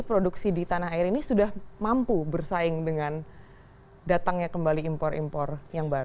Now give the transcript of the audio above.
produksi di tanah air ini sudah mampu bersaing dengan datangnya kembali impor impor yang baru